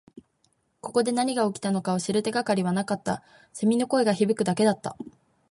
ここで何が起きたのかを知る手がかりはなかった。蝉の声が響くだけだった。